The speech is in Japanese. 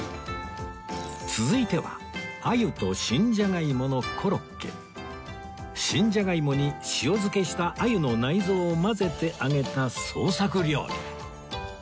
続いては新ジャガイモに塩漬けした鮎の内臓を混ぜて揚げた創作料理